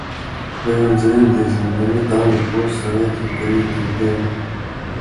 Või on see üldisem ja mitte ainult postsovetlike riikide teema?